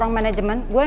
klu negara kalah maen maen